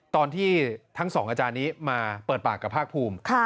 ตอนที่ทั้งสองอาจารย์นี้มาเปิดปากกับภาคภูมิ